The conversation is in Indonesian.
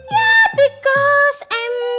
ya because i'm